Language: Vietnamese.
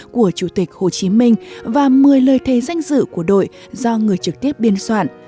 của chủ tịch hồ chí minh và một mươi lời thề danh dự của đội do người trực tiếp biên soạn